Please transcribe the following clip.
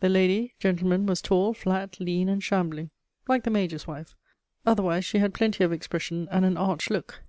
"The lady, gentlemen, was tall, flat, lean, and shambling, like the major's wife; otherwise she had plenty of expression and an arch look.